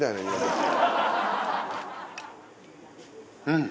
うん。